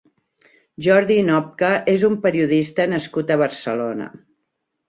Jordi Nopca és un periodista nascut a Barcelona.